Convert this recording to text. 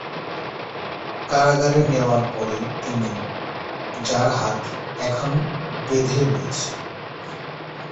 কারাগারে নেওয়ার পরে তিনি, যার হাত এখনও বেঁধে রয়েছে।